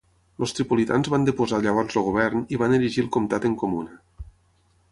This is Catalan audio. Els tripolitans van deposar llavors el govern i van erigir el comtat en comuna.